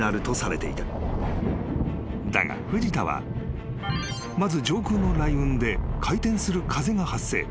［だが藤田はまず上空の雷雲で回転する風が発生］